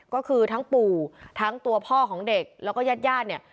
ก็คือทั้งปู่ทั้งตัวพ่อของเด็กแล้วก็ญาติญาติเนี่ย